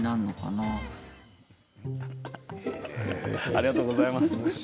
ありがとうございます。